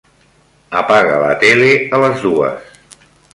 Apaga la tele a les dues.